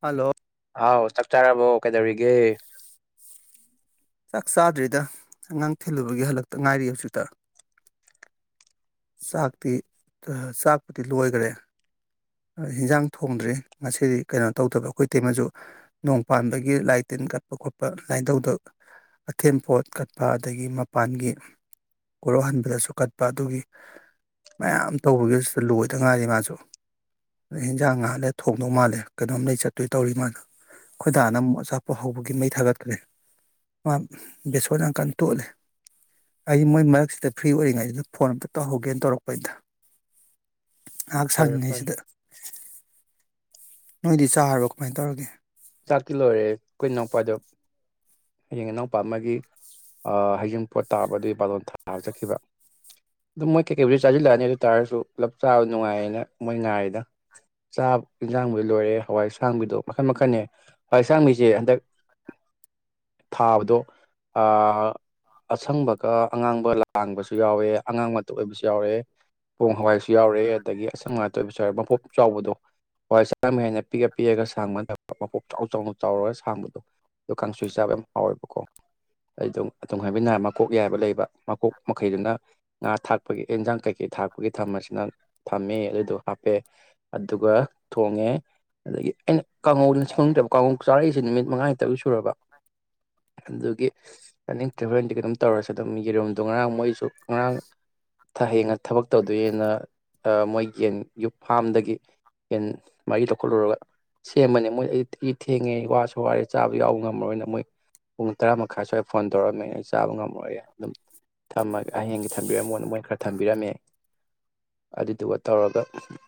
hello ꯑꯥꯎ ꯆꯥꯛ ꯆꯥꯔꯕꯣ ꯀꯩꯗꯧꯔꯤꯒꯦ ꯆꯥꯛ ꯆꯥꯗ꯭ꯔꯤꯗ ꯑꯉꯥꯡ ꯊꯤꯜꯂꯨꯕꯒꯤ ꯍꯜꯂꯛꯇ ꯉꯥꯏꯔꯤ ꯍꯧꯖꯤꯛꯇ ꯆꯥꯛꯇꯤ ꯑ ꯆꯥꯛꯄꯨꯗꯤ ꯂꯣꯏꯒ꯭ꯔꯦ ꯍꯤꯡꯖꯥꯡ ꯊꯣꯡꯗ꯭ꯔꯤ ꯉꯁꯤ ꯀꯩꯅꯣ ꯇꯧꯗꯕ ꯑꯩꯈꯣꯏ ꯇꯦꯝꯃꯁꯨ ꯅꯣꯡ ꯄꯥꯟꯕꯒꯤ ꯂꯥꯏ ꯇꯤꯟ ꯀꯠꯄ ꯈꯣꯠꯄ ꯂꯥꯏꯅꯤꯡꯗꯧꯗ ꯑꯊꯦꯝ ꯄꯣꯠ ꯀꯠꯄ ꯑꯗꯒꯤ ꯃꯄꯥꯟꯒꯤ ꯀꯣꯔꯧꯍꯟꯕꯗꯁꯨ ꯀꯠꯄ ꯑꯗꯨꯒꯤ ꯃꯌꯥꯝ ꯇꯧꯕꯒꯤꯁꯤꯗ ꯂꯣꯏꯗ ꯉꯥꯏꯔꯤ ꯃꯥꯁꯨ ꯍꯤꯡꯖꯥꯡ ꯉꯥꯍꯥꯛ ꯂꯩꯔ ꯊꯣꯡꯗꯧ ꯃꯥꯜꯂꯦ ꯀꯩꯅꯣꯝ ꯂꯩ ꯆꯠꯇꯣꯏ ꯇꯧꯔꯤ ꯃꯥꯗꯪ ꯈꯣꯏꯗꯥꯅ ꯑꯃꯨꯛ ꯑꯆꯥꯄꯣꯠ ꯍꯧꯕꯒꯤ ꯃꯩ ꯊꯥꯒꯠꯈ꯭ꯔꯦ ꯃꯥ ꯕꯦꯁꯣꯟ ꯌꯥꯝꯀꯥꯟ ꯇꯣꯠꯂꯦ ꯑꯩ ꯃꯣꯏ ꯃꯔꯛꯁꯤꯗ ꯐ꯭ꯔꯤ ꯑꯣꯏꯔꯤꯉꯩꯁꯤꯗ ꯐꯣꯟ ꯑꯝꯇ ꯇꯧꯍꯧꯒꯦꯅ ꯇꯧꯔꯛꯄꯅꯤꯗ ꯉꯍꯥꯛ ꯐꯔꯦ ꯐꯔꯦ ꯁꯪꯉꯤꯉꯩꯁꯤꯗ ꯅꯣꯏꯗꯤ ꯆꯥꯔꯕꯣ ꯀꯃꯥꯏ ꯇꯧꯔꯒꯦ ꯆꯥꯛꯇꯤ ꯂꯣꯏꯔꯦ ꯑꯩꯈꯣꯏ ꯏꯅꯥꯎꯄꯥꯗꯣ ꯍꯌꯦꯡ ꯏꯅꯥꯎꯄꯥ ꯑꯃꯒꯤ ꯑ ꯍꯩꯖꯤꯡ ꯄꯣꯠ ꯇꯥꯕ ꯑꯗꯨꯒꯤ ꯕꯥꯂꯣꯟ ꯊꯥꯕ ꯆꯠꯈꯤꯕ ꯑꯗꯨ ꯃꯣꯏ ꯀꯩꯀꯩꯕꯨꯗꯤ ꯆꯥꯖꯤꯜꯂꯛꯑꯅꯤ ꯑꯗꯨ ꯇꯥꯔꯁꯨ ꯄꯨꯂꯞ ꯆꯥꯕ ꯅꯨꯡꯉꯥꯏꯌꯦꯅ ꯃꯣꯏ ꯉꯥꯏꯔꯤꯗ ꯆꯥ ꯌꯦꯟꯖꯥꯡꯕꯨꯗꯨ ꯂꯣꯏꯔꯦ ꯍꯋꯥꯏ ꯑꯁꯥꯡꯕꯤꯗꯣ ꯃꯈꯟ ꯃꯈꯟꯅꯦ ꯍꯋꯥꯏ ꯑꯁꯥꯡꯃꯤꯁꯦ ꯍꯟꯗꯛ ꯊꯥꯕꯗꯣ ꯑꯥ ꯑꯁꯪꯕꯒ ꯑꯉꯥꯡꯕꯒ ꯂꯥ ꯂꯥꯡꯕꯁꯨ ꯌꯥꯎꯋꯦ ꯑꯉꯥꯡꯕ ꯗꯨ ꯑꯣꯏꯕꯁꯨ ꯌꯥꯎꯔꯦ ꯄꯣꯡ ꯍꯋꯥꯏꯁꯨ ꯌꯥꯎꯔꯦ ꯑꯗꯒꯤ ꯑꯁꯪ ꯑꯍꯇ ꯑꯣꯏꯕꯁꯨ ꯌꯥꯎꯔꯦ ꯃꯄꯣꯞ ꯆꯥꯎꯕꯗꯣ ꯍꯋꯥꯏ ꯑꯁꯥꯡꯕꯤ ꯍꯥꯏꯅ ꯄꯤꯛꯑ ꯄꯤꯛꯑꯒ ꯁꯥꯡꯕ ꯅꯠꯇꯕ ꯃꯄꯣꯛ ꯆꯥꯎ ꯆꯥꯎꯅ ꯆꯥꯎꯔꯒ ꯁꯥꯡꯕꯗꯣ ꯑꯗꯣ ꯀꯥꯡꯁꯣꯏ ꯆꯥꯕ ꯌꯥꯝ ꯍꯥꯎꯋꯦꯕꯀꯣ ꯑꯩ ꯑꯗꯨꯝ ꯑꯗꯨꯝ ꯍꯥꯏꯃꯤꯟꯅꯔ ꯃꯀꯣꯛ ꯌꯥꯏꯕ ꯂꯩꯕ ꯃꯀꯣꯛ ꯃꯈꯩꯗꯨꯅ ꯉꯥ ꯊꯥꯛ ꯄꯒꯤ ꯑꯦꯟꯖꯥꯡ ꯀꯩꯀꯩ ꯊꯥꯛꯄꯒꯤ ꯊꯝ ꯃꯁꯤꯅ ꯊꯝꯃꯦ ꯑꯗꯨꯗꯣ ꯍꯥꯞꯄꯦ ꯑꯗꯨꯒ ꯊꯣꯡꯉꯦ ꯑꯗꯒꯤ ꯑꯩꯅ ꯀꯥꯡꯉꯧ ꯈꯪꯗ꯭ꯔꯕꯣ ꯀꯉꯧ ꯆꯥꯔꯛꯏꯁꯦ ꯅꯨꯃꯤꯠ ꯃꯉꯥꯅꯤ ꯇꯥꯔꯨꯅꯤ ꯁꯨꯔꯕ ꯑꯗꯨꯒꯤ ꯆꯅꯤꯡꯇ꯭ꯔꯦ ꯍꯦꯔꯦꯟꯗꯤ ꯀꯩꯅꯣꯝ ꯇꯧꯔꯁꯦ ꯑꯗꯨꯝ ꯌꯦꯔꯨꯝꯗꯣ ꯉꯔꯥꯡ ꯃꯣꯏꯁꯨ ꯉꯔꯥꯡ ꯊ ꯍꯌꯦꯡꯅ ꯊꯕꯛ ꯇꯧꯗꯣꯏꯅ ꯑ ꯃꯣꯏ ꯌꯦꯟ ꯌꯨꯝ ꯐꯥꯝꯗꯒꯤ ꯌꯦꯟ ꯃꯥꯒꯤ ꯂꯧꯈꯠꯂꯨꯔꯒ ꯁꯦꯝꯕꯅꯦ ꯃꯣꯏ ꯑꯩ ꯏ ꯊꯦꯡꯉꯦ ꯋꯥꯁꯨ ꯋꯥꯔꯦ ꯆꯥꯕ ꯌꯥꯎꯕ ꯉꯝꯃꯔꯣꯏꯅ ꯃꯣꯏ ꯄꯨꯡ ꯇꯔꯥ ꯃꯈꯥꯏ ꯁ꯭ꯋꯥꯏ ꯐꯣꯟ ꯇꯧꯔꯑꯝꯃꯦ ꯑꯩ ꯆꯥꯕ ꯉꯝꯃꯣꯏ ꯑꯗꯨꯝ ꯊꯝꯃꯒꯍꯌꯦꯡꯒꯤ ꯊꯝꯕꯤꯔꯝꯃꯣꯅ ꯃꯣꯏ ꯈꯔ ꯊꯝꯕꯤꯔꯝꯃꯦ ꯑꯗꯨꯗꯨꯒ ꯇꯧꯔꯒ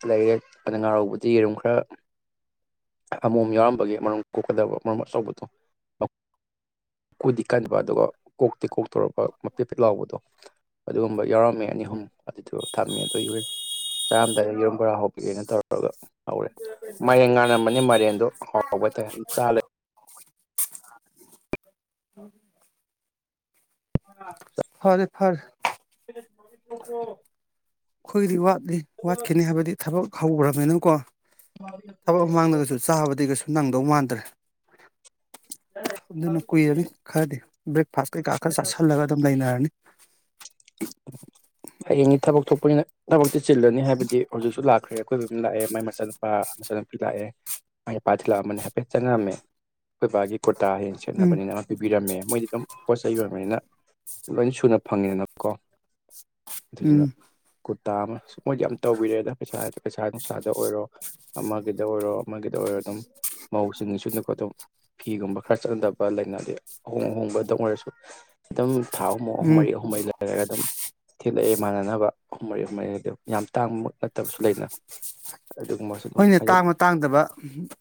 ꯂꯩꯔꯦ ꯑꯗ ꯉꯥꯔꯧꯕꯨꯗꯤ ꯌꯦꯔꯨꯝ ꯈꯔ ꯑꯃꯣꯝ ꯌꯥꯎꯔꯝ ꯃꯒꯤ ꯃꯔꯨꯝ ꯀꯣꯛꯀꯗꯕ ꯃꯔꯨꯝ ꯑꯆꯧꯕꯗꯣ ꯑꯞ ꯀꯣꯗꯤ ꯀꯟꯕ ꯑꯗꯨꯒ ꯀꯣꯛꯇꯤ ꯀꯣꯛꯇꯣꯔꯕ ꯃ ꯄꯦꯠ ꯄꯦꯠ ꯂꯥꯎꯕꯗꯣ ꯑꯗꯨꯒꯨꯝꯕ ꯌꯥꯎꯔꯝꯃꯦ ꯑꯅꯤ ꯑꯍꯨꯝ ꯑꯗꯨꯗꯨ ꯊꯝꯃꯦ ꯑꯗꯣꯏꯎꯔꯦ ꯆꯥꯔꯝꯗꯥꯏꯗ ꯌꯦꯔꯨꯝ ꯕꯣꯔꯥ ꯍꯧꯕꯤꯒꯦꯅ ꯇꯧꯔ ꯑꯗꯨꯒ ꯍꯧꯔꯦ ꯃꯥꯏꯔꯦꯟ ꯉꯥꯟꯂꯝꯕꯅꯦ ꯃꯥꯏꯔꯦꯟꯗꯣ ꯍꯥꯎꯕ ꯇ ꯑꯗꯨꯝ ꯆꯥꯂ [inaudible] [unintelligible] ꯐꯔꯦ ꯐꯔꯦ [inaudible] ꯑꯩꯈꯣꯏꯒꯤꯗꯤ ꯋꯥꯠꯂꯤ ꯋꯥꯠꯈꯤꯅꯤ ꯍꯥꯏꯕꯗꯤ ꯊꯕꯛ ꯍꯧꯈ꯭ꯔꯕꯅꯤꯅ ꯀꯣ ꯊꯕꯛ ꯃꯃꯥꯡꯗꯒꯁꯨ ꯆꯥꯕꯗꯤ ꯀꯩꯁꯨ ꯅꯪ ꯗꯧ ꯃꯥꯟꯗꯔꯦ ꯑꯗꯨꯅ ꯀꯨꯏꯔꯅꯤ ꯈꯔꯗꯤ ꯕ꯭ꯔꯦꯛꯐꯥꯁ ꯀꯩꯀꯥ ꯈꯔ ꯆꯥꯁꯤꯜꯂꯒ ꯑꯗꯨꯝ ꯂꯩꯅꯔꯅꯤ ꯍꯌꯦꯡꯅꯤ ꯊꯕꯛ ꯊꯣꯛꯄꯅꯤꯅ ꯊꯕꯛ ꯆꯤꯜꯂꯅꯤ ꯍꯥꯏꯕꯗꯤ ꯍꯧꯖꯤꯛꯁꯨ ꯂꯥꯛ ꯈ꯭ꯔꯦ ꯑꯀꯣꯏꯗꯨꯗ ꯂꯥꯛꯑꯦ ꯃꯥꯏ ꯃꯆꯥꯅꯨꯄꯥ ꯃꯆꯥꯅꯨꯄꯤ ꯂꯥꯛꯑꯦ ꯃꯥꯏ ꯅꯨꯄꯥ ꯊꯤꯂꯛꯑꯝꯕꯅꯦ ꯍꯥꯏꯐꯦꯠ ꯆꯪꯉꯛꯝꯃꯦ ꯑꯩꯈꯣꯏ ꯕꯥꯒꯤ ꯇꯥ ꯍꯦꯟꯅ ꯎꯝ ꯁꯦꯠꯅꯕꯅꯤꯅ ꯑꯃ ꯄꯤꯕꯤꯔꯝꯃꯦ ꯃꯣꯏꯗꯤ ꯑꯗꯨꯝ ꯄꯣꯠ ꯆꯩ ꯌꯣꯟꯕꯅꯤꯅ ꯂꯣꯏ ꯁꯨꯅ ꯐꯪꯉꯦꯅ ꯀꯣ ꯎꯝ ꯑꯗꯨꯗꯨꯅ ꯇꯥ ꯑꯃꯁꯨ ꯃꯣꯏꯗꯤ ꯌꯥꯝ ꯇꯧꯕꯤꯔꯦꯗ ꯄꯩꯁꯥꯗꯤ ꯄꯩꯁꯥ ꯅꯨꯡꯁꯥꯗ ꯑꯣꯏꯔꯣ ꯑꯃꯒꯤꯗ ꯑꯣꯏꯔꯣ ꯑꯃꯒꯤꯗ ꯑꯣꯏꯔꯣ ꯑꯗꯨꯝ ꯃꯧꯁꯤꯡ ꯁꯤꯠꯅꯕꯗꯣ ꯈꯣꯠꯇ ꯑꯗꯨꯝ ꯐꯤꯒꯨꯝꯕ ꯈꯔ ꯆꯠꯅꯗꯕ ꯂꯩꯅꯗꯤ ꯑꯍꯣꯡ ꯑꯍꯣꯡꯕ ꯗꯛ ꯑꯣꯏꯔꯁꯨ ꯑꯗꯨꯝ ꯊꯥ ꯑꯍꯨꯝ ꯎꯝ ꯍꯨꯝꯃꯔꯤ ꯑꯍꯨꯝꯃꯔꯤ ꯂꯩ ꯂꯩꯔꯒ ꯑꯗꯨꯝ ꯊꯤꯂꯛꯑꯦ ꯃꯥꯟꯅꯅꯕ ꯑꯍꯨꯝ ꯃꯔꯤ ꯍꯨꯝ ꯃꯔꯤ ꯑꯗꯨꯝ ꯌꯥꯝ ꯇꯥꯡꯕꯃꯛ ꯅꯠꯇꯕꯁꯨ ꯂꯩꯅ ꯑꯗꯨꯒꯨꯝꯕꯁꯨ ꯑꯗꯨꯝ ꯍꯣꯏꯅꯦ ꯍꯥꯏꯗꯤ ꯇꯥꯡꯕ ꯇꯥꯡꯗꯕ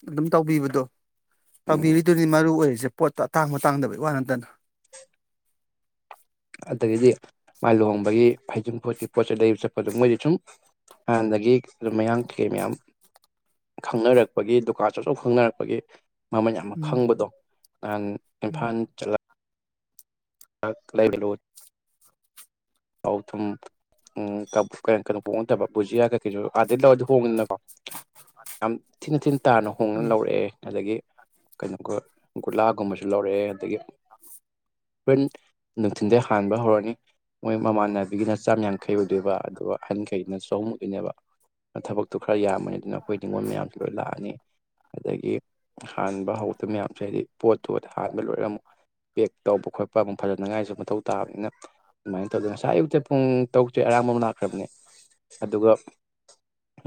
ꯑꯗꯨꯝ ꯇꯧꯕꯤꯕꯗꯣ ꯎꯝ ꯇꯧꯕꯤꯔꯤꯗꯨꯅꯤ ꯃꯔꯨ ꯑꯣꯏꯔꯤꯁꯦ ꯄꯣꯠꯇꯣ ꯇꯥꯡꯕ ꯇꯥꯡꯗꯕꯩ ꯋꯥ ꯅꯠꯇꯅ [unintelligible] ꯑꯗꯒꯤꯗꯤ ꯃꯥ ꯂꯨꯍꯣꯡꯕꯒꯤ ꯍꯩꯖꯤꯡ ꯄꯣꯠꯀꯤ ꯄꯣꯠ ꯆꯩ ꯂꯩꯕ ꯆꯠꯄꯗ ꯃꯣꯏꯗꯤ ꯁꯨꯝ ꯍꯥꯟꯅꯗꯒꯤ ꯑꯗꯨꯝ ꯃꯌꯥꯡ ꯀꯩ ꯃꯌꯥꯝ ꯈꯪꯅꯔꯛꯄꯒꯤ ꯗꯨꯀꯥꯟꯁꯨ ꯑꯆꯧ ꯆꯧꯕ ꯈꯪꯅꯔꯛꯄꯒꯤ ꯃꯃꯟ ꯌꯥꯝ ꯎꯝ ꯈꯪꯕꯗꯣ ꯅꯍꯥꯟ ꯎꯝ ꯏꯝꯐꯥꯜ ꯆꯠꯂ ꯂꯩꯒꯂꯣ ꯊꯥꯎ ꯊꯨꯝ ꯎ ꯀꯞ ꯀꯩꯅꯣ ꯄꯣꯛꯉꯗꯕ ꯕꯨꯖꯤꯌꯥ ꯀꯩ ꯀꯩ ꯁꯨ ꯂꯧꯔꯗꯤ ꯍꯣꯡꯉꯤꯅ ꯌꯥꯝ ꯊꯤꯅ ꯊꯤꯟ ꯇꯥꯅ ꯍꯣꯡꯅ ꯎꯝ ꯂꯧꯔꯛꯑꯦ ꯑꯗꯒꯤ ꯀꯩꯅꯣ ꯒꯨꯂꯥꯒꯨꯝꯕꯁꯨ ꯂꯧꯔꯛꯑꯦ ꯑꯗꯒꯤ [unintelligible] ꯍꯣꯔꯦꯟ ꯅꯨꯡꯊꯤꯟꯗꯩ ꯍꯥꯟꯕ ꯍꯧꯔꯅꯤ ꯃꯣꯏ ꯃꯃꯥꯟꯅꯕꯤꯒꯤꯅ ꯆꯥꯝ ꯌꯥꯡꯈꯩ ꯑꯣꯏꯗꯣꯏꯕ ꯑꯗꯨꯒ ꯑꯍꯟꯈꯩꯅꯁꯨ ꯆꯍꯨꯝꯃꯨꯛꯀꯤꯅꯦꯕ ꯊꯕꯛꯇꯨ ꯈꯔ ꯈꯔ ꯌꯥꯝꯕꯅꯤ ꯑꯗꯨꯅ ꯑꯩꯈꯣꯏ ꯅꯤꯉꯣꯜ ꯃꯌꯥꯝꯁꯨ ꯂꯣꯏ ꯂꯥꯛꯑꯅꯤ ꯑꯗꯒꯤ [inaudible] ꯍꯥꯟꯕ ꯍꯧꯗꯕ ꯃꯌꯥꯝꯁꯦ ꯍꯥꯏꯗꯤ ꯄꯣꯠꯇꯨ ꯍꯥꯟꯕ ꯂꯣꯏꯔ ꯑꯃꯨꯛ ꯄꯦꯛ ꯇꯧꯕ ꯈꯣꯠꯄ ꯑꯃꯨꯛ ꯐꯖꯅꯉꯥꯏꯁꯨ ꯃꯊꯧ ꯇꯥꯕꯅꯤꯅ ꯑꯗꯨꯃꯥꯏꯅ ꯇꯧꯗꯅ ꯉꯁꯥꯏ ꯑꯌꯨꯛꯇꯩ ꯄꯨꯡ ꯇꯔꯨꯛꯇꯩ ꯑꯔꯥꯡꯕꯝ ꯂꯥꯛꯈ꯭ꯔꯕꯅꯤ ꯑꯗꯨꯗꯨꯒ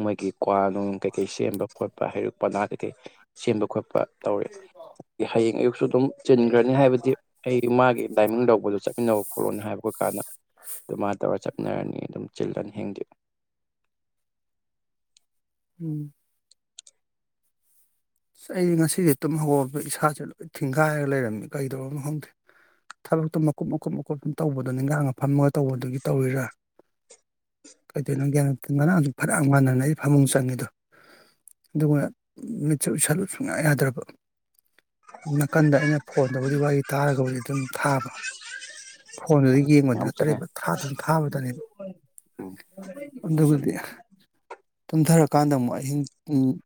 ꯃꯣꯏꯒꯤ ꯀ꯭ꯋꯥ ꯅꯨꯡ ꯀꯩꯀꯩ ꯁꯦꯝꯕ ꯈꯣꯠꯄ ꯍꯩꯔꯨꯛ ꯄꯅꯥ ꯀꯩꯀꯩ ꯁꯦꯝꯕ ꯈꯣꯠꯄ ꯇꯧꯔꯦ ꯍꯌꯦꯡ ꯑꯌꯨꯛꯁꯨ ꯇꯨꯝ ꯆꯤꯟꯒꯔꯅꯤ ꯍꯥꯏꯕꯗꯤ ꯑꯩ ꯃꯥꯒꯤ ꯂꯥꯏꯃꯤꯡ ꯂꯧꯕꯗꯣ ꯆꯠꯃꯤꯟꯅꯧ ꯈꯣꯠꯂꯣꯅ ꯍꯥꯏꯕꯣ ꯀꯥꯟꯅ ꯑꯗꯨꯃꯥꯏꯅ ꯇꯧꯔꯒ ꯆꯠꯅꯔꯅꯤ ꯑꯗꯨꯝ ꯆꯤꯜꯂꯅꯤ ꯍꯌꯦꯡꯗꯤ ꯎꯝ ꯁ ꯑꯩ ꯉꯁꯤꯗꯤ ꯇꯨꯝ ꯍꯧꯒꯄ ꯏꯁꯥꯁꯦ ꯂꯣꯏ ꯊꯤꯡꯒꯥꯏꯔꯒ ꯂꯩꯔꯝꯃꯤ ꯀꯩꯗꯧꯔꯅꯣ ꯈꯪꯗꯦ ꯊꯕꯛꯇꯣ ꯃꯀꯨꯞ ꯃꯀꯨꯞ ꯃꯀꯨꯞ ꯃꯀꯨꯞ ꯇꯧꯕꯗꯣ ꯅꯤꯡꯒꯥꯡꯅ ꯐꯝꯃꯒ ꯇꯧꯕꯗꯨꯒꯤ ꯇꯧꯔꯤꯔꯥ ꯀꯩꯗꯧꯅꯣ ꯒ꯭ꯌꯥꯟ ꯉꯔꯥꯡꯖꯨ ꯐꯅꯌꯥꯝ ꯉꯟꯅꯅꯦ ꯑꯩ ꯐꯃꯨꯡ ꯆꯪꯉꯤꯗꯣ ꯑꯗꯨꯒ ꯎꯏꯁꯤꯜꯂꯨ ꯁꯨꯡꯌꯥ ꯌꯥꯗ꯭ꯔꯕ ꯅꯥꯀꯟꯗ ꯑꯩꯅ ꯐꯣꯟꯗꯕꯨꯗꯤ ꯋꯥꯔꯤ ꯇꯥꯔꯒꯕꯨꯗꯤ ꯑꯗꯨꯝ ꯊꯥꯕ [inaudible] ꯐꯣꯟꯗꯨꯗ ꯌꯦꯡꯕꯗꯤ ꯌꯥꯝ ꯆꯪꯉꯦ ꯅꯠꯇ꯭ꯔꯦꯕ ꯊꯥꯗꯨꯝ ꯊꯥꯕꯗꯅꯦꯕ ꯎꯝ ꯑꯗꯨꯕꯨꯗꯤ ꯇꯨꯝꯊꯔꯛ ꯀꯥꯟꯗ ꯑꯃꯨꯛ ꯑꯍꯤꯡ ꯎ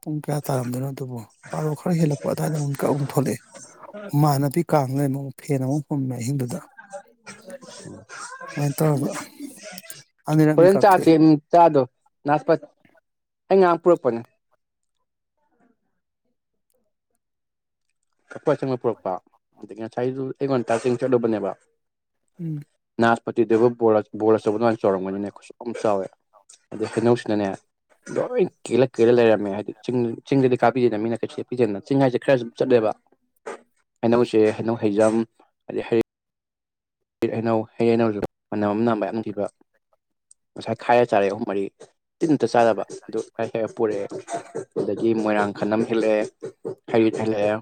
ꯄꯨꯡ ꯀꯌꯥ ꯇꯥꯔꯝꯗꯣꯏꯅꯣ ꯑꯗꯨꯕꯨ ꯄꯥꯔꯣ ꯈꯔ ꯍꯦꯜꯂꯛꯄ ꯑꯗꯨꯗꯥꯋꯥꯏꯗ ꯑꯃꯨꯛ ꯀꯛ ꯑꯃꯨꯛ ꯊꯣꯛꯂꯛꯑꯦ ꯍꯨꯃꯥꯡ ꯑꯅꯞꯄꯤ ꯀꯥꯡ ꯂꯩꯔꯝꯃꯦ ꯐꯦꯟ ꯑꯃꯨꯛ ꯍꯨꯝꯃꯦ ꯑꯍꯤꯡꯗꯨꯗ ꯑꯗꯨꯃꯥꯏꯅ ꯇꯧꯔꯒ [unintelligible] ꯑꯅꯤꯔꯛꯅꯤ ꯀꯥꯞꯊꯣꯛꯑꯦ ꯄꯨꯔꯛꯄꯅꯦ [unintelligible] [unintelligible] ꯎꯝ ꯅꯥꯁꯄꯇꯤꯗꯕ ꯕꯣꯜ ꯑꯆꯧꯕꯗꯨꯃꯥꯏꯅ ꯆꯥꯎꯔꯝꯒꯅꯤꯅ ꯈꯨꯖꯥꯎꯃ ꯆꯥꯎꯋꯦ ꯑꯗꯩ ꯍꯩꯅꯧꯁꯤꯅꯅꯦ ꯂꯣꯏ ꯀꯦꯜꯂ ꯀꯦꯜꯂ ꯂꯩꯔꯝꯃꯦ ꯍꯥꯏꯗꯤ ꯆꯤꯡ ꯆꯤꯡꯗꯗꯤ ꯀꯥ ꯄꯤꯗꯦꯅ ꯃꯤꯅ ꯀꯩꯁꯨ ꯍꯦꯛ ꯄꯤꯗꯦꯅ ꯆꯤꯡ ꯍꯥꯏꯁꯦ ꯈꯔ ꯁꯨ ꯗꯨꯝ ꯆꯠꯂꯦꯕ ꯍꯩꯅꯧꯁꯦ ꯍꯩꯅꯧ ꯍꯩꯖꯝ ꯑꯗꯩ ꯍꯩ ꯍꯠ [unintelligible] ꯍꯩꯅꯧ ꯍꯩ ꯍꯩꯅꯧꯁꯦ ꯃꯅꯝ ꯑꯃ ꯅꯥꯝꯕ ꯌꯥꯝ ꯊꯤꯕ ꯉꯁꯥꯏ ꯈꯥꯏꯔ ꯆꯥꯔꯛꯑꯦ ꯑꯍꯨꯝ ꯃꯔꯤ ꯇꯤꯟ ꯍꯦꯛꯇ ꯆꯥꯔꯕ ꯑꯗꯨ ꯈꯈꯥꯏ ꯄꯨꯔꯛꯑꯦ ꯑꯗꯒꯤ ꯃꯣꯏꯔꯥꯡ ꯈꯥꯅꯝ ꯍꯦꯜꯂꯛꯑꯦ ꯍꯩꯔꯤꯠ ꯍꯦꯜꯂꯛꯑꯦ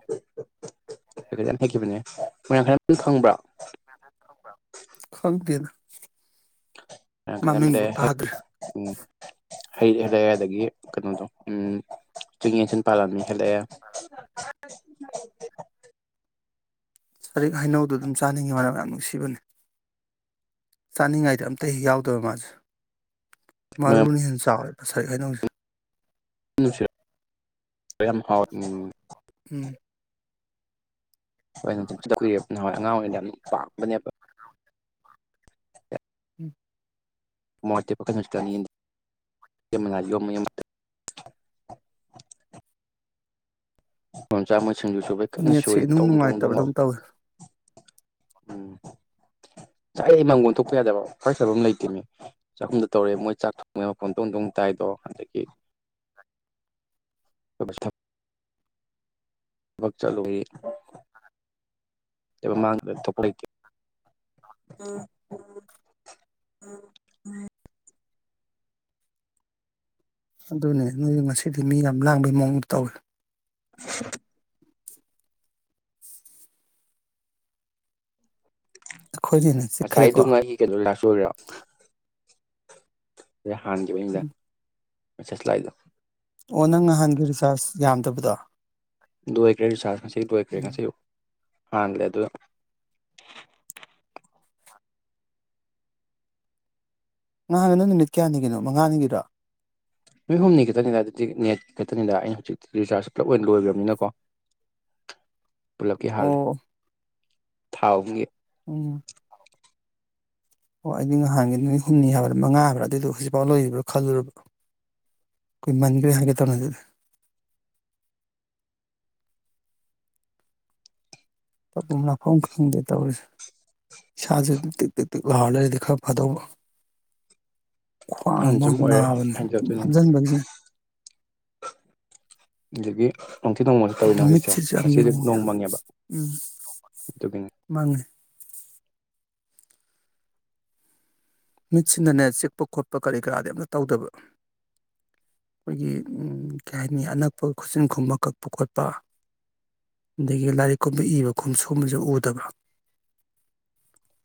ꯀꯀꯩꯅꯣ ꯌꯥꯝ ꯍꯦꯛꯈꯤꯕꯅꯦ ꯃꯣꯏꯔꯥꯡꯈꯥꯟꯝ ꯈꯪꯕ꯭ꯔꯣ ꯈꯪꯗꯦꯅ [unintelligible] ꯍꯩ ꯍꯦꯜꯂꯛꯑꯦ ꯑꯗꯒꯤ ꯀꯩꯅꯣꯗꯣ ꯎꯝ ꯆꯤꯡ ꯌꯦꯟꯁꯤꯟ ꯄꯥꯜꯂꯝꯃꯤ ꯍꯦꯜꯂꯛꯑꯦ ꯆꯔꯤꯛ ꯍꯩꯅꯧꯗꯨ ꯗꯨꯝ ꯆꯥꯅꯤꯡꯉꯤ ꯃꯅꯝ ꯌꯥꯝ ꯅꯨꯡꯁꯤꯕꯅꯦ ꯆꯥꯅꯤꯡꯉꯥꯏꯗ ꯑꯝꯇ ꯍꯦꯛ ꯌꯥꯎꯗꯕ ꯃꯥꯁꯦ ꯃꯅꯝ ꯃꯔꯨꯅ ꯍꯦꯟ ꯆꯥꯎꯔꯦ ꯉꯁꯥꯏ ꯍꯥꯏꯅꯧꯅꯦ [unintelligible] ꯌꯥꯝ ꯍꯥꯎꯋꯦ ꯎꯝ ꯎꯝ ꯍꯣꯏ ꯅꯨꯡꯊꯠ [unintelligible] ꯀꯨꯏꯔꯦ ꯅꯍꯥꯟꯋꯥꯏ ꯑꯉꯥꯡ ꯑꯣꯏꯉꯩꯗ ꯎꯝ ꯋꯥꯡꯕꯅꯤꯕ ꯎꯝ [unintelligible] [unintelligible] ꯁꯤꯡꯖꯨ ꯁꯨꯕꯩ ꯀꯟꯅ ꯅꯦꯠꯁꯦ ꯁꯨꯔꯤ ꯏꯅꯨꯡ ꯇꯣꯡ ꯇꯣꯡ ꯅꯨꯡꯉꯥꯏꯇꯕꯗꯧ ꯂꯥꯎꯔꯤꯁꯦ ꯇꯧꯋꯦ ꯎꯝ ꯆꯥꯛ ꯑꯩ ꯃꯪꯒꯣꯟ ꯊꯣꯛꯄ ꯌꯥꯗꯕ ꯋꯥꯔꯤ ꯁꯥꯕꯝ ꯑꯃꯇ ꯂꯩꯇꯦꯃꯤ ꯆꯥꯛꯈꯨꯝꯗ ꯇꯧꯔꯦ ꯃꯣꯏ ꯆꯥꯛ ꯊꯣꯡꯕꯩ ꯃꯣꯟ ꯇꯣꯡ ꯇꯣꯡ ꯇꯥꯏꯗꯣ ꯑꯗꯒꯤ ꯊꯕꯛ ꯆꯠꯂꯧꯏꯏ [unintelligible] ꯊꯣꯛꯄ ꯂꯩꯇꯦ ꯑꯗꯨꯅꯦ ꯅꯣꯏ ꯉꯁꯤꯗꯤ ꯃꯤ ꯌꯥꯝ ꯂꯥꯡꯕꯩ ꯃꯑꯣꯡꯗ ꯇꯧꯑꯦ [inaudible] ꯑꯩꯈꯣꯏꯗꯤ ꯍꯦꯟꯅ ꯉꯁꯥꯏꯗꯨ ꯆꯤꯛꯈ꯭ꯔꯦꯀꯣ ꯉꯔꯤ ꯀꯩꯅꯣ ꯂꯥꯁ ꯑꯣꯏꯔꯤꯔꯣ ꯍꯥꯟꯒꯤꯕꯒꯤꯅꯤꯗ ꯎꯝ ꯃꯦꯁꯦꯁ ꯂꯥꯛꯏ ꯗꯣ ꯑꯣ ꯅꯪ ꯅꯍꯥꯟꯒꯤ ꯔꯤꯆꯥꯔꯖ ꯌꯥꯝꯗꯕꯗꯣ ꯂꯣꯏꯒꯔꯦ ꯔꯤꯆꯥꯔꯁ ꯑꯁꯤ ꯂꯣꯏꯒꯔꯦ ꯎꯝ ꯉꯁꯤ ꯑꯌꯨꯛ ꯍꯥꯂꯦ ꯑꯗꯨ ꯅꯍꯥꯟꯒꯤꯗꯣ ꯅꯨꯃꯤꯠ ꯀꯌꯥꯅꯤꯒꯤꯅꯣ ꯃꯉꯥꯅꯤꯒꯤꯔꯣ ꯅꯨꯃꯤꯠ ꯍꯨꯝꯅꯤ ꯈꯛꯇꯅꯤꯗ ꯑꯗꯨꯗꯤ ꯅꯦꯠ ꯈꯛꯇꯅꯤꯗ ꯑꯩꯅ ꯍꯧꯖꯤꯛꯇꯤ ꯔꯤꯆꯥꯔꯖ ꯄꯨꯂꯞ ꯑꯣꯏꯅ ꯂꯣꯏꯕꯤꯅꯤꯅꯀꯣ ꯄꯨꯂꯞꯀꯤ ꯑꯣ ꯍꯜꯂꯦ ꯊꯥꯎ ꯑꯍꯨꯝꯒꯤ ꯎꯝ ꯑꯣ ꯑꯩꯗꯤ ꯅꯍꯥꯟꯒꯤ ꯅꯨꯃꯤꯠ ꯍꯨꯝꯅꯤ ꯍꯥꯏꯕ꯭ꯔꯥ ꯃꯉꯥ ꯍꯥꯏꯕ꯭ꯔꯥ ꯑꯗꯨꯏꯗꯣ ꯍꯧꯖꯤꯛꯐꯥꯎ ꯂꯩꯔꯤꯕ꯭ꯔꯥ ꯈꯜꯂꯨꯔꯕ꯭ꯔꯥ ꯀꯨꯏꯃꯟꯈ꯭ꯔꯦ ꯍꯥꯏꯒꯦ ꯇꯧꯅ ꯑꯗꯨꯗꯤ ꯇꯐꯝ ꯂꯥꯛꯐꯝ ꯈꯪꯗꯦ ꯇꯧꯔꯤꯁꯦ ꯏꯁꯥꯁꯨ ꯇꯤꯛ ꯇꯤꯛ ꯇꯤꯛ ꯂꯥꯎꯔ ꯂꯩꯔꯗꯤ ꯈꯔ ꯐꯗꯧꯕ ꯈ꯭ꯋꯥꯡ ꯑꯍꯟ ꯑꯃ ꯁꯨꯝ ꯑꯣꯏꯔꯦ ꯅꯥꯕꯅꯦ ꯁꯨꯝ ꯍꯦꯟꯖꯜꯂꯛꯇꯣꯏꯅꯦ ꯐꯝꯖꯤꯟꯕꯒꯤꯁꯦ ꯑꯗꯒꯤ ꯅꯣꯡꯊꯤ ꯅꯣꯡꯃꯪꯁꯨ ꯇꯧꯋꯤꯅꯦ ꯍꯧꯖꯤꯛꯁꯦ ꯃꯤꯠꯁꯤꯁꯨ ꯌꯥꯝ ꯉꯁꯤꯁꯨ ꯌꯦꯡꯅꯤꯡꯉꯦ ꯅꯣꯡꯃꯪꯉꯦꯕ ꯎꯝ ꯑꯗꯨꯒꯤꯅꯦ ꯃꯥꯡꯉꯦ ꯃꯤꯠꯁꯤꯅꯅꯦ ꯆꯤꯛꯄ ꯈꯣꯠꯄ ꯀꯔꯤ ꯀꯔꯥꯗꯤ ꯑꯝꯇ ꯇꯧꯗꯕ ꯑꯩꯈꯣꯏꯒꯤ ꯀꯩ ꯍꯥꯏꯅꯤ ꯑꯅꯛꯄ ꯈꯨꯆꯤꯟ ꯈꯨꯝꯕ ꯀꯛꯄ ꯈꯣꯠꯄ ꯑꯗꯒꯤ ꯂꯥꯏꯔꯤꯛꯀꯨꯝꯕ ꯏꯕ ꯈꯣꯠꯄ ꯁꯨꯝꯕꯁꯨ ꯎꯗꯕ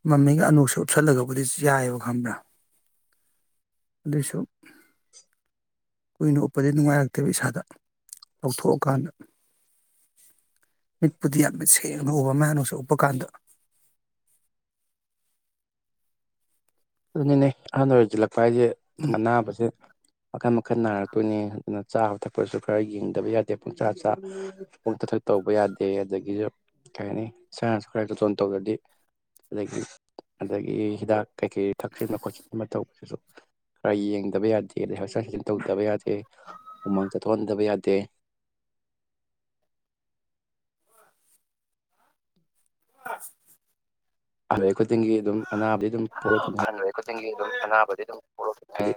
ꯃꯃꯤꯒꯝ ꯑꯣꯅꯣꯞꯒꯨꯝꯕ ꯎꯞꯁꯜꯂꯒꯕꯨꯗꯤ ꯌꯥꯏꯑꯕ ꯈꯕ꯭ꯔꯥ ꯑꯗꯨꯏꯁꯨ ꯀꯨꯏꯅ ꯎꯞꯄꯗꯤ ꯀꯥꯟꯗ ꯑꯗꯧꯏꯁꯨ ꯀꯨꯏꯅ ꯐꯞꯄꯗꯤ ꯅꯨꯡꯉꯥꯏꯔꯛꯇꯦꯕ ꯏꯁꯥꯗ ꯂꯧꯊꯣꯛ ꯑꯀꯥꯟꯗ ꯃꯤꯠꯄꯨꯗꯤ ꯌꯥꯝ ꯃꯤꯠ ꯁꯦꯡꯅ ꯎꯕ ꯃꯥꯏ ꯎꯅꯣꯞꯁꯦ ꯎꯞꯄ ꯀꯥꯟꯗ ꯑꯗꯨꯅꯦ ꯑꯍꯟ ꯑꯣꯏꯁꯤꯜꯂꯛ ꯍꯥꯏꯁꯦ ꯑꯗꯨꯝ ꯑꯅꯕꯖ ꯃꯈꯟ ꯃꯈꯜ ꯅꯥꯔꯛꯇꯣꯏꯅꯤ ꯑꯗꯨꯅ ꯆꯥꯕ ꯊꯛꯄꯁꯨ ꯈꯔ ꯌꯦꯡꯗꯕ ꯌꯥꯗꯦ ꯄꯨꯡꯆꯥꯥ ꯆꯥ ꯄꯪ ꯊꯛ ꯊꯛ ꯇꯧꯕ ꯌꯥꯗꯦ ꯑꯗꯒꯤꯁꯨ ꯀꯩ ꯍꯥꯏꯅꯤ ꯏꯁꯥꯁꯨ ꯈꯔ ꯖꯥꯇꯣꯟ ꯇꯧꯗꯗꯤ ꯑꯗꯒꯤ ꯑꯗꯒꯤ ꯍꯤꯗꯥꯛ ꯀꯩꯀꯩ ꯊꯛꯆꯤꯟꯕ ꯈꯣꯠꯆꯤꯟꯕ ꯇꯧꯕꯁꯤꯁꯨ ꯈꯔ ꯌꯦꯡꯗꯕ ꯌꯥꯗꯦ ꯑꯗꯩ ꯍꯛꯆꯥꯡ ꯍꯆꯦꯟ ꯇꯧꯗꯕ ꯌꯥꯗꯦ ꯎꯃꯥꯡ ꯆꯠꯊꯣꯛ ꯍꯟꯗꯕ ꯌꯥꯗꯦ [inaudible] ꯑꯗꯩ ꯑꯈꯣꯏ ꯑꯗꯨꯝ ꯑꯅꯥꯕꯗꯤ ꯑꯗꯨꯝ ꯄꯣꯛꯂꯛ ꯇꯣꯏꯅꯤ ꯑꯍꯟ ꯑꯣꯏ ꯈꯨꯗꯤꯡꯒꯤ ꯑꯗꯨꯝ ꯑꯅꯥꯕꯗꯤ ꯑꯗꯨꯝ ꯄꯣꯛꯂꯛꯄꯅꯦ ꯍꯥꯏꯗꯤ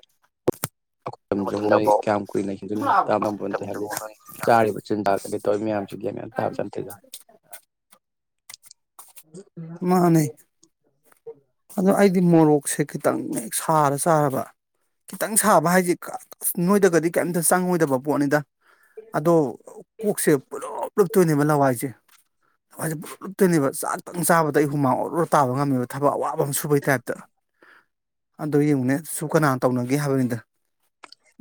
ꯅꯣꯏ ꯃꯇꯝꯗꯐꯥꯎ ꯀꯌꯥꯝ ꯀꯨꯏꯅ ꯍꯤꯡꯗꯣꯏꯅꯣ ꯃꯇꯝ ꯈꯪꯗꯦ ꯍꯥꯏꯕꯗꯤ ꯆꯪꯉꯣ ꯍꯥꯏ ꯆꯥꯔꯤꯕ ꯆꯤꯟꯖꯥꯛ ꯑꯗꯤ ꯇꯧꯋꯤ ꯃꯌꯥꯝꯁꯤ ꯒ꯭ꯌꯥꯟ ꯇꯕꯖꯠ ꯅꯠꯇꯦ ꯃꯥꯅꯦ ꯑꯗꯣ ꯑꯩ ꯗꯤ ꯃꯣꯔꯣꯛꯁꯦ ꯈꯤꯇꯪ ꯍꯦꯛ ꯁꯥꯔ ꯆꯥꯔꯕ ꯈꯤꯇꯪ ꯁꯥꯕ ꯍꯥꯏꯁꯦ ꯅꯣꯏꯗꯒꯗꯤ ꯀꯩꯝꯇ ꯆꯪꯉꯣꯏꯗꯕ ꯄꯣꯠꯅꯤꯗ ꯑꯗꯣ ꯀꯣꯛꯁꯦ ꯄꯨꯂꯨꯞ ꯂꯨꯝꯇꯣꯏꯅꯦ ꯂꯋꯥꯏꯁꯦ ꯑꯩꯈꯣꯏ ꯄꯨꯂꯨꯞ ꯂꯨꯞꯇꯣꯏꯅꯦꯕ ꯆꯥꯛ ꯈꯤꯇꯪ ꯆꯥꯕꯗ ꯑꯩ ꯍꯨꯃꯥꯡ ꯑꯣꯔꯣꯔꯣ ꯇꯥꯕ ꯉꯝꯃꯦꯕ ꯊꯕꯛ ꯑꯋꯥꯕ ꯑꯃ ꯁꯨꯕꯩ ꯇꯥꯏꯞꯇ ꯑꯗꯨꯗꯣ ꯌꯦꯡꯉꯨꯅꯦ ꯁꯨ ꯀꯅꯥꯅ ꯇꯧꯅꯒꯦ ꯍꯥꯏꯕꯅꯤꯗ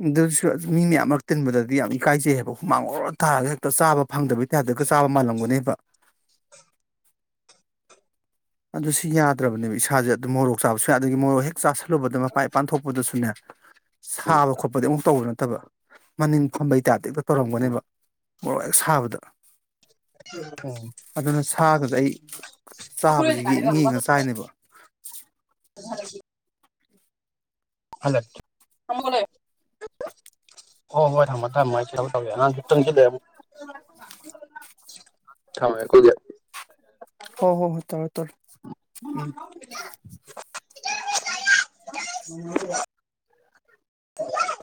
ꯑꯗꯨꯁꯨ ꯃꯤ ꯃꯌꯥꯝ ꯃꯔꯛ ꯇꯤꯟꯕꯗꯗꯤ ꯌꯥꯝ ꯏꯀꯥꯏꯖꯩ ꯍꯥꯏꯕ ꯍꯨꯃꯥꯡ ꯑꯣꯔꯣꯔꯣ ꯇꯥꯔꯒ ꯍꯦꯛꯇ ꯆꯥꯕ ꯐꯪꯗꯕꯩ ꯇꯥꯏꯞꯇꯒ ꯆꯥꯕ ꯃꯥꯜꯂꯝꯒꯅꯦꯕ ꯑꯗꯨ ꯁꯤ ꯌꯥꯗ꯭ꯔꯕꯅꯦꯕ ꯏꯁꯥꯁꯦ ꯑꯗꯨ ꯃꯣꯔꯣꯛ ꯆꯥꯕꯁꯨ ꯌꯥꯗ꯭ꯔꯕꯅꯦ ꯃꯣꯔꯣꯛ ꯍꯦꯛ ꯆꯥ ꯆꯠꯂꯨꯕꯗ ꯃꯄꯥꯟ ꯏꯄꯥꯟ ꯊꯣꯛꯄꯗꯁꯨꯅꯦ ꯎꯝ ꯁꯥꯕ ꯈꯣꯠꯄꯗꯤ ꯑꯃꯨꯛ ꯇꯧꯕ ꯅꯠꯇꯕ ꯃꯅꯤꯡ ꯐꯝꯕꯩ ꯇꯥꯏꯞꯇ ꯏꯄꯠ- ꯎꯝ ꯇꯧꯔꯝꯒꯅꯦꯕ ꯃꯣꯔꯣꯛ ꯍꯦꯛ ꯁꯥꯕꯗꯣ ꯎꯝ ꯑꯗꯨꯅ ꯁꯥꯗꯨꯗꯩ ꯑꯩ ꯆꯥꯕꯁꯦ ꯌꯦꯛꯉ ꯌꯦꯡꯉ ꯆꯥꯏꯅꯦꯕ [unintelligible] [unintelligible] ꯍꯣ ꯍꯣꯏ ꯊꯃꯣꯏ ꯊꯝꯃꯣꯏ ꯑꯩ ꯍꯦ ꯑꯉꯥꯡ ꯆꯪꯖꯜꯂꯦ ꯃꯨꯛ ꯊꯃꯦꯀꯣ ꯗꯨꯗꯤ ꯍꯣ ꯍꯣ ꯍꯣ ꯇꯧꯔꯣ ꯇꯧꯔꯣ ꯎꯝ [unintelligible]